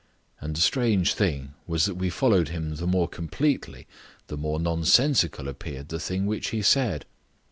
And the strange thing was that we followed him the more completely the more nonsensical appeared the thing which he said.